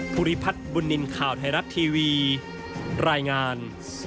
ภูริพัฒน์บุญนินทร์ข่าวไทยรัฐทีวีรายงาน